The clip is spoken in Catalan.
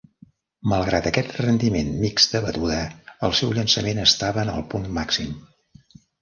Malgrat aquest rendiment mixt de batuda, el seu llançament estava en el punt màxim.